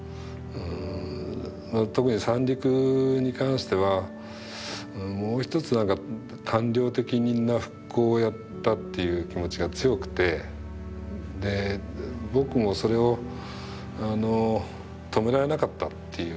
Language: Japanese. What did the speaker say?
特に三陸に関してはもう一つ官僚的な復興をやったっていう気持ちが強くて僕もそれを止められなかったっていうかだいぶ抵抗したんですけど